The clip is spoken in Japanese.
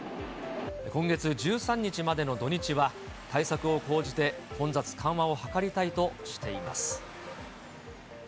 今月１３日までの土日は、対策を講じて混雑緩和を図りたいとしています。